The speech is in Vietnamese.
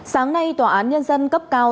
sáng nay tòa án nhân dân cấp cao